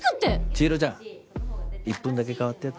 茅代ちゃん１分だけ代わってやって。